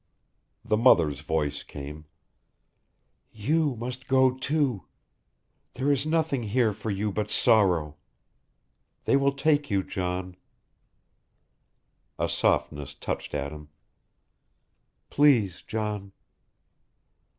The mother's voice came. "You must go too. There is nothing here for you but sorrow. They will take you, John." A softness touched at him. "Please, John."